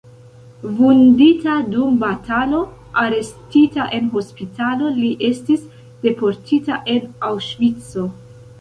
Vundita dum batalo, arestita en hospitalo, li estis deportita en Aŭŝvico.